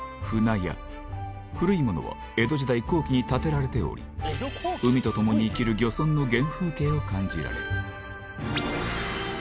舟屋古いものは江戸時代後期に建てられており海とともに生きる漁村の原風景を感じられる